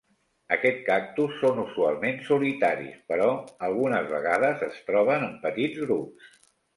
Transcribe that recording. Aquests cactus són usualment solitaris però algunes vegades es troben en petits grups.